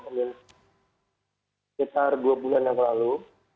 sekitar dua bulan yang lalu